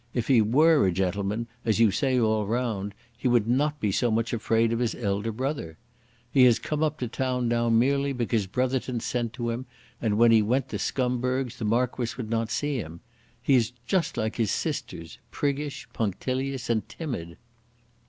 "If he were a gentleman as you say all round, he would not be so much afraid of his elder brother. He has come up to town now merely because Brotherton sent to him, and when he went to Scumberg's the Marquis would not see him. He is just like his sisters, priggish, punctilious and timid."